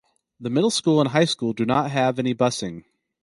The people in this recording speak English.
The middle school and high school do not have any busing.